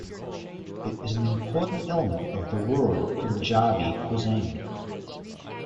It is an important element of the rural Punjabi cuisine.